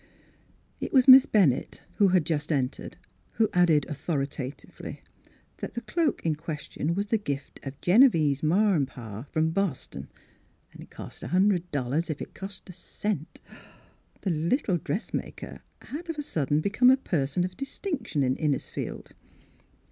It was Miss Bennett, who had just en tered, who added authoritatively that the cloak in question was the gift of " Gene vieve's pa an' ma in law from Boston an' cost a hunderd dollars, if it cost a cent." The little dress maker had of a sudden become a person of distinction in Innis iield.